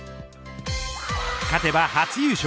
勝てば初優勝。